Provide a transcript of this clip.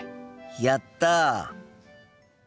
やった！